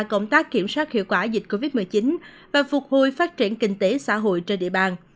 công tác kiểm soát hiệu quả dịch covid một mươi chín và phục hồi phát triển kinh tế xã hội trên địa bàn